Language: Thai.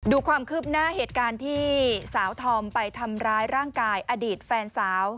ดูความคืบหน้าเหตุการณ์ที่สาวธอมไปทำร้ายร่างกายอดีตแฟนสาว